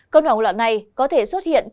cơn hoảng loạn này có thể xuất hiện khi